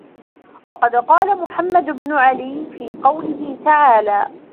وَقَدْ قَالَ مُحَمَّدُ بْنُ عَلِيٍّ فِي قَوْله تَعَالَى